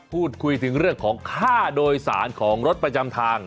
พูดคุยถึงเรื่องของค่าโดยสารของรถประจำทาง